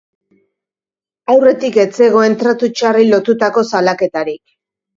Aurretik ez zegoen tratu txarrei lotutako salaketarik.